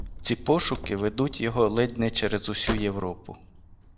Ці пошуки ведуть його ледь не через усю Європу.